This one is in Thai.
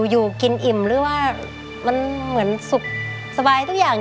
อยู่กินอิ่มหรือว่ามันเหมือนสุขสบายทุกอย่าง